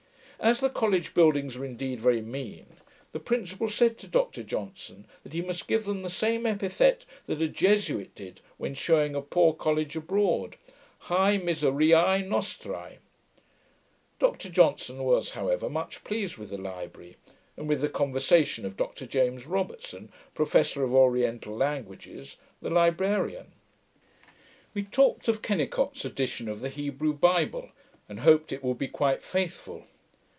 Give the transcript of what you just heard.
As the College buildings are indeed very mean, the Principal said to Dr Johnson, that he must give them the same epithet that a Jesuit did when shewing a poor college abroad: Hae miseriae nostrae. Dr Johnson was, however, much pleased with the library, and with the conversation of Dr James Robertson, Professor of Oriental Languages, the Librarian. We talked of Kennicot's edition of the Hebrew Bible, and hoped it would be quite faithful.